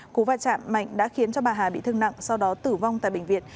cú va chạm mạnh đã khiến cho bà hà bị thương nặng sau đó tử vong tại bệnh viện